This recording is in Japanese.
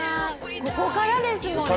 ここからですもんね。